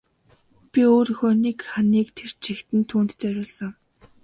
Би өрөөнийхөө нэг ханыг тэр чигт нь түүнд зориулсан.